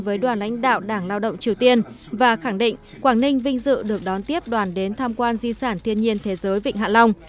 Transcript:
với đoàn lãnh đạo đảng lao động triều tiên và khẳng định quảng ninh vinh dự được đón tiếp đoàn đến tham quan di sản thiên nhiên thế giới vịnh hạ long